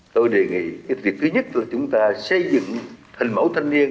tôi đề nghị cái việc thứ nhất là chúng ta xây dựng hình mẫu thanh niên